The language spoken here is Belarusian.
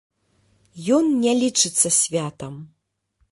Ён не лічыцца святам.